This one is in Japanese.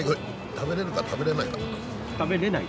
食べれるか食べれないかで食べれない。